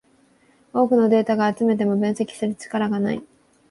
多くのデータが集めても分析する力がない